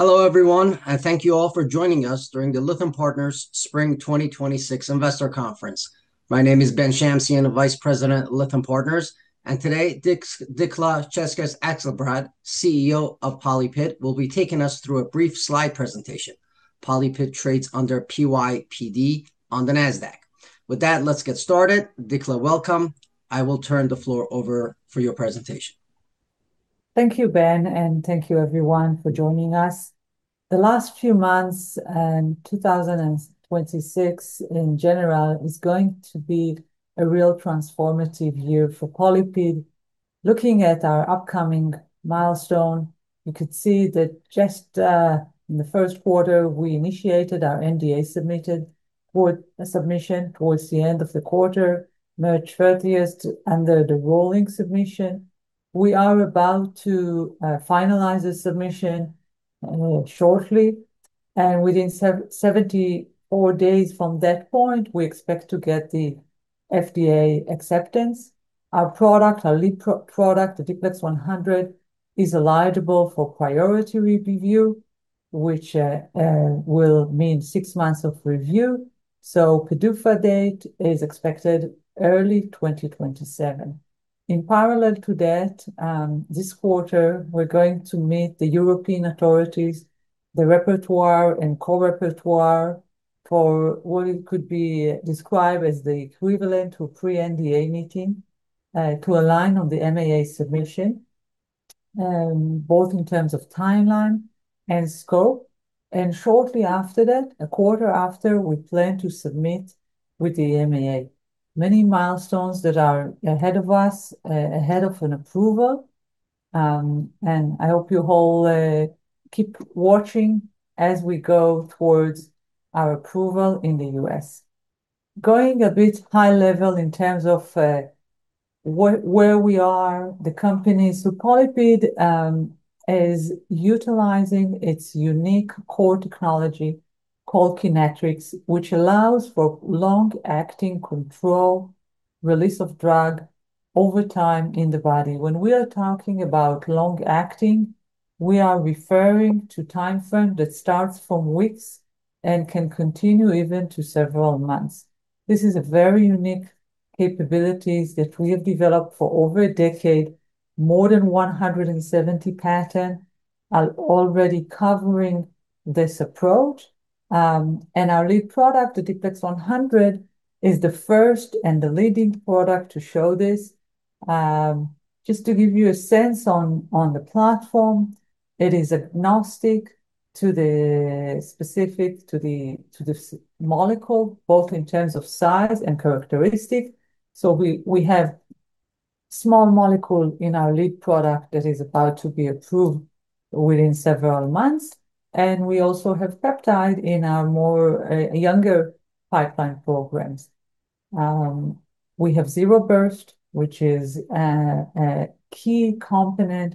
Hello, everyone, and thank you all for joining us during the Lytham Partners Spring 2026 investor conference. My name is Ben Shamsian, Vice President at Lytham Partners, and today, Dikla Czaczkes Akselbrad, CEO of PolyPid, will be taking us through a brief slide presentation. PolyPid trades under PYPD on the Nasdaq. With that, let's get started. Dikla, welcome. I will turn the floor over for your presentation. Thank you, Ben. Thank you everyone for joining us. The last few months and 2026, in general, is going to be a real transformative year for PolyPid. Looking at our upcoming milestone, you could see that just in the first quarter, we initiated our NDA submission towards the end of the quarter, March 30th, under the rolling submission. We are about to finalize the submission shortly. Within 74 days from that point, we expect to get the FDA acceptance. Our lead product, D-PLEX100, is eligible for priority review, which will mean six months of review. PDUFA date is expected early 2027. In parallel to that, this quarter, we're going to meet the European authorities, the rapporteur and co-rapporteur, for what could be described as the equivalent to pre-NDA meeting, to align on the MAA submission, both in terms of timeline and scope. Shortly after that, a quarter after, we plan to submit with the MAA. Many milestones that are ahead of us, ahead of an approval, and I hope you all keep watching as we go towards our approval in the U.S. Going a bit high level in terms of where we are, the company, PolyPid is utilizing its unique core technology, called PLEX, which allows for long-acting control release of drug over time in the body. When we are talking about long-acting, we are referring to timeframe that starts from weeks and can continue even to several months. This is a very unique capabilities that we have developed for over a decade. More than 170 patent are already covering this approach. Our lead product, the D-PLEX100, is the first and the leading product to show this. Just to give you a sense on the platform, it is agnostic to the specific, to the molecule, both in terms of size and characteristic. We have small molecule in our lead product that is about to be approved within several months, and we also have peptide in our more younger pipeline programs. We have zero burst, which is a key component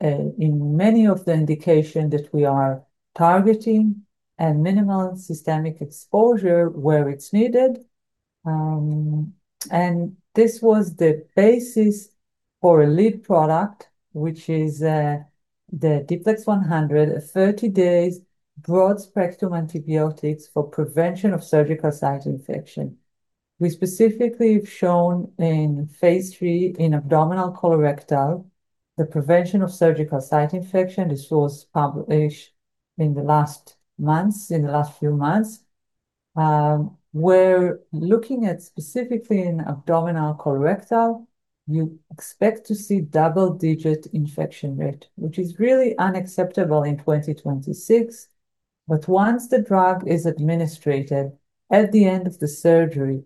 in many of the indication that we are targeting, and minimal systemic exposure where it's needed. This was the basis for a lead product, which is the D-PLEX100, a 30 days broad-spectrum antibiotics for prevention of surgical site infection. We specifically have shown in phase III in abdominal colorectal, the prevention of surgical site infection. This was published in the last few months. We're looking at specifically in abdominal colorectal, you expect to see double-digit infection rate, which is really unacceptable in 2026. Once the drug is administered at the end of the surgery,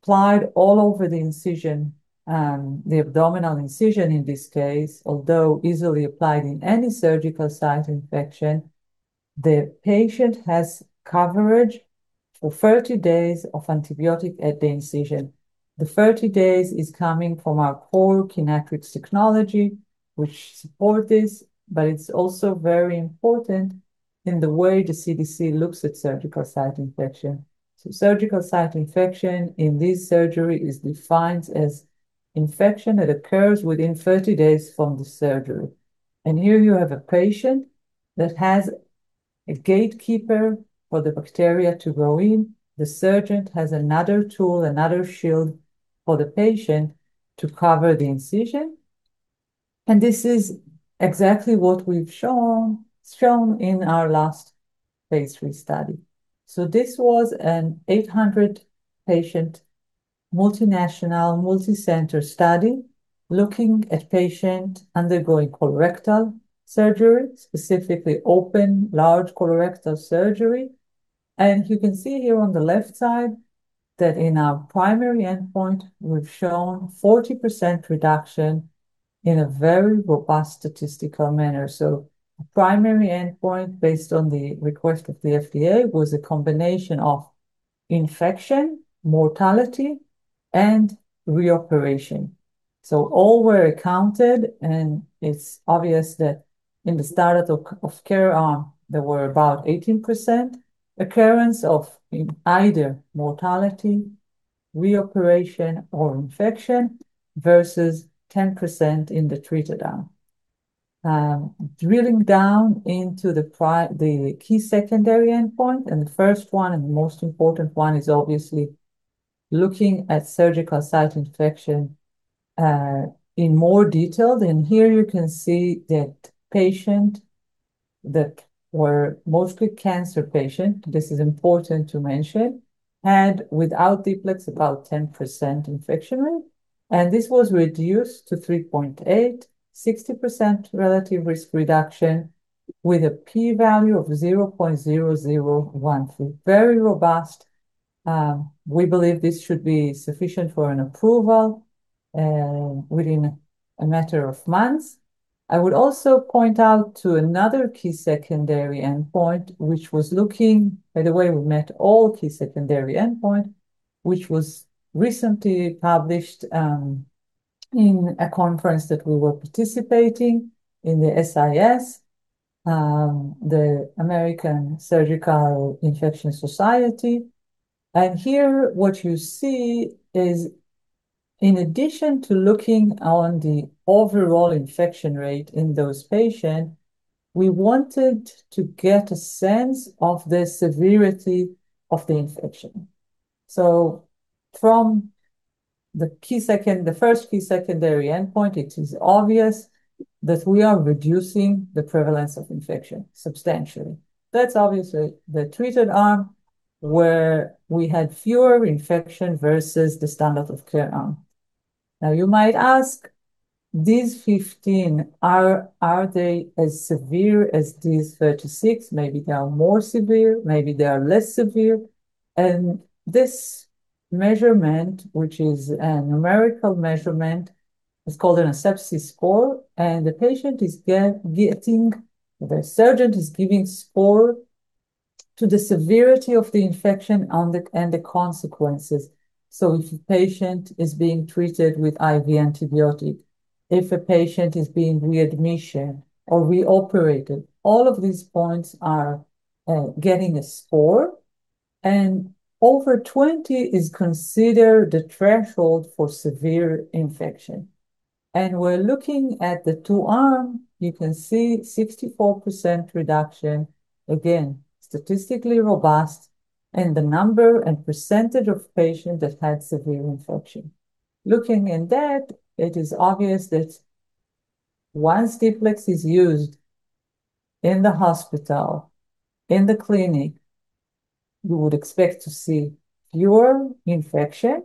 applied all over the incision, the abdominal incision in this case, although easily applied in any surgical site infection, the patient has coverage for 30 days of antibiotic at the incision. The 30 days is coming from our PLEX technology, which support this, but it's also very important in the way the CDC looks at surgical site infection. Surgical site infection in this surgery is defined as infection that occurs within 30 days from the surgery. Here you have a patient that has a gatekeeper for the bacteria to grow in. The surgeon has another tool, another shield, for the patient to cover the incision. This is exactly what we've shown in our last phase III study. This was an 800-patient, multinational, multi-center study looking at patient undergoing colorectal surgery, specifically open, large colorectal surgery. You can see here on the left side that in our primary endpoint, we've shown 40% reduction in a very robust statistical manner. Primary endpoint, based on the request of the FDA, was a combination of infection, mortality, and reoperation. All were accounted, and it's obvious that in the standard of care arm, there were about 18% occurrence of either mortality, reoperation or infection versus 10% in the treated arm. Drilling down into the key secondary endpoint, and the first one and the most important one is obviously looking at surgical site infection in more detail. Here you can see that patient that were mostly cancer patient, this is important to mention, had, without D-PLEX, about 10% infection rate, and this was reduced to 3.8%, 60% relative risk reduction with a P value of 0.001. Very robust. We believe this should be sufficient for an approval within a matter of months. I would also point out to another key secondary endpoint, which was looking. By the way, we met all key secondary endpoint, which was recently published in a conference that we were participating in, the SIS, the Surgical Infection Society. Here what you see is in addition to looking on the overall infection rate in those patient, we wanted to get a sense of the severity of the infection. From the first key secondary endpoint, it is obvious that we are reducing the prevalence of infection substantially. That's obviously the treated arm, where we had fewer infection versus the standard of care arm. You might ask, these 15, are they as severe as these 36? Maybe they are more severe, maybe they are less severe. This measurement, which is a numerical measurement, is called an ASEPSIS score, and the surgeon is giving score to the severity of the infection and the consequences. If a patient is being treated with IV antibiotic, if a patient is being readmissioned or reoperated, all of these points are getting a score, and over 20 is considered the threshold for severe infection. We're looking at the two arm, you can see 64% reduction, again, statistically robust, and the number and percentage of patient that had severe infection. Looking in that, it is obvious that once D-PLEX is used in the hospital, in the clinic, we would expect to see fewer infections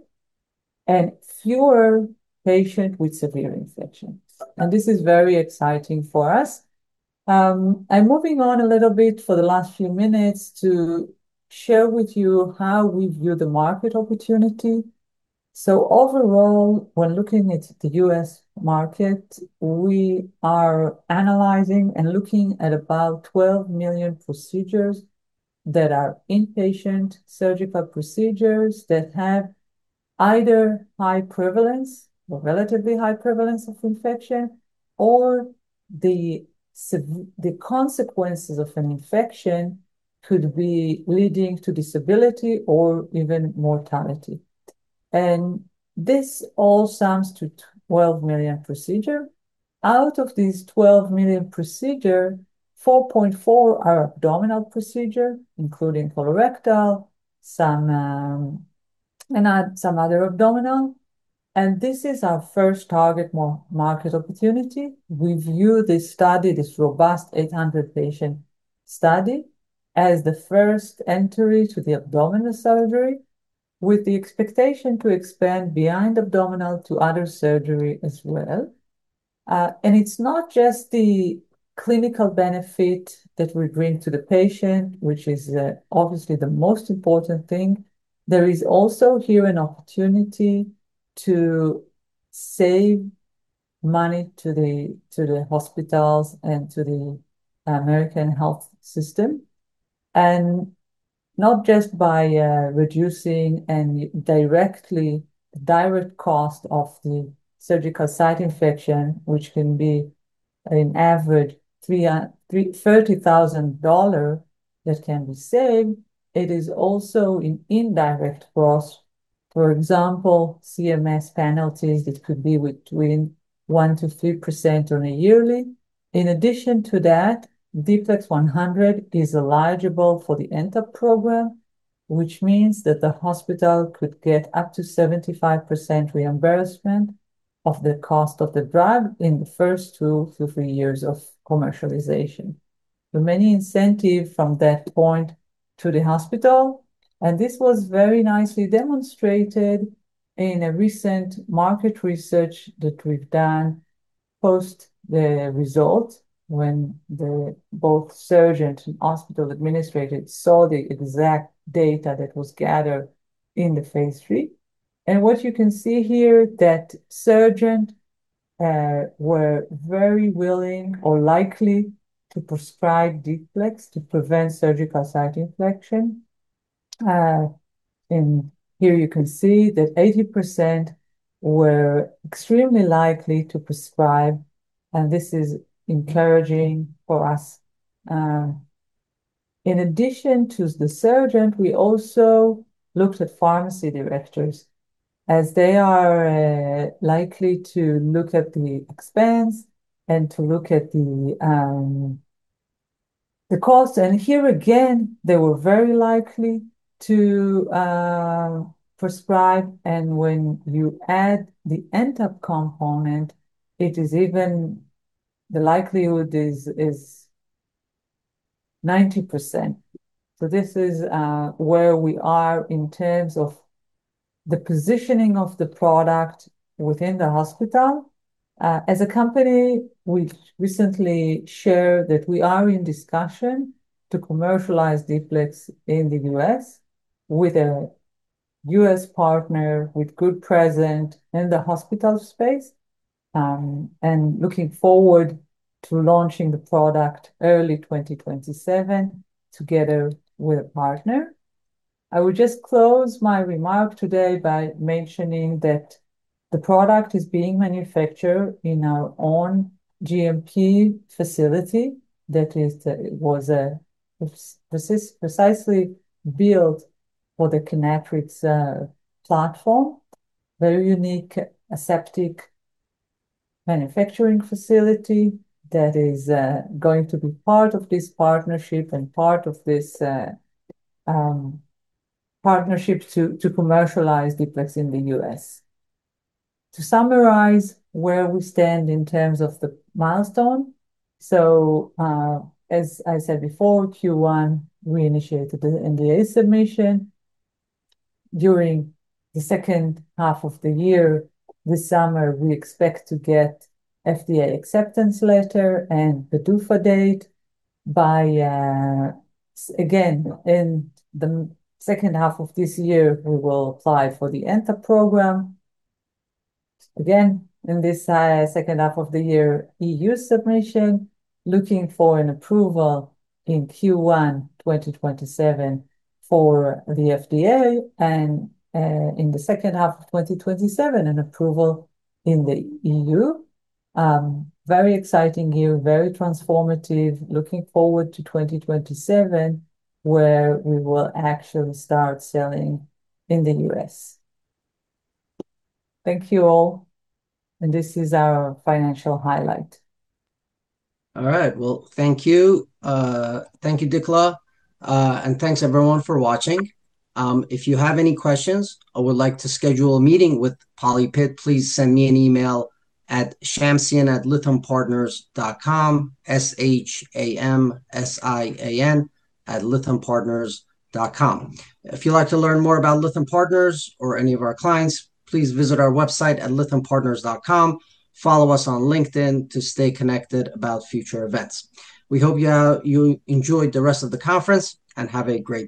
and fewer patients with severe infections. This is very exciting for us. I'm moving on a little bit for the last few minutes to share with you how we view the market opportunity. Overall, when looking at the U.S. market, we are analyzing and looking at about 12 million procedures that are inpatient surgical procedures that have either high prevalence or relatively high prevalence of infection, or the consequences of an infection could be leading to disability or even mortality. This all sums to 12 million procedures. Out of these 12 million procedures, 4.4 are abdominal procedures, including colorectal, and some other abdominal. This is our first target market opportunity. We view this study, this robust 800-patient study, as the first entry to the abdominal surgery, with the expectation to expand behind abdominal to other surgery as well. It's not just the clinical benefit that we bring to the patient, which is obviously the most important thing. There is also here an opportunity to save money to the hospitals and to the American health system. Not just by reducing direct cost of the surgical site infection, which can be an average $30,000 that can be saved. It is also an indirect cost. For example, CMS penalties, it could be between 1%-3% on a yearly. In addition to that, D-PLEX100 is eligible for the NTAP program, which means that the hospital could get up to 75% reimbursement of the cost of the drug in the first two to three years of commercialization. Many incentive from that point to the hospital, and this was very nicely demonstrated in a recent market research that we've done post the result when both surgeon and hospital administrator saw the exact data that was gathered in the phase III. What you can see here, that surgeon were very willing or likely to prescribe D-PLEX to prevent surgical site infection. Here you can see that 80% were extremely likely to prescribe. This is encouraging for us. In addition to the surgeon, we also looked at pharmacy directors, as they are likely to look at the expense and to look at the cost. Here again, they were very likely to prescribe. When you add the NTAP component, the likelihood is 90%. This is where we are in terms of the positioning of the product within the hospital. As a company, we recently shared that we are in discussion to commercialize D-PLEX in the U.S. with a U.S. partner with good presence in the hospital space, and looking forward to launching the product early 2027 together with a partner. I will just close my remark today by mentioning that the product is being manufactured in our own GMP facility. That was precisely built for the Kynatrix platform. Very unique aseptic manufacturing facility that is going to be part of this partnership and part of this partnership to commercialize D-PLEX in the U.S. To summarize where we stand in terms of the milestone. As I said before, Q1, we initiated the NDA submission. During the second half of the year, this summer, we expect to get FDA acceptance letter and PDUFA date. Again, in the second half of this year, we will apply for the NTAP program In this second half of the year, EU submission, looking for an approval in Q1 2027 for the FDA, and in the second half of 2027, an approval in the EU. Very exciting year, very transformative. Looking forward to 2027, where we will actually start selling in the U.S. Thank you all. This is our financial highlight. All right. Well, thank you. Thank you, Dikla. Thanks everyone for watching. If you have any questions or would like to schedule a meeting with PolyPid, please send me an email at shamsian@lythampartners.com, S-H-A-M-S-I-A-N @lythampartners.com. If you'd like to learn more about Lytham Partners or any of our clients, please visit our website at lythampartners.com. Follow us on LinkedIn to stay connected about future events. We hope you enjoy the rest of the conference, and have a great day.